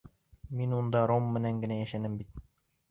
Мин унда ром менән генә йәшәнем бит.